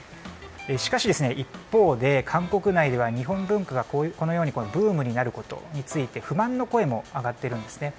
しかし、一方で韓国内では日本文化がブームになることについて不満の声も上がっているんです。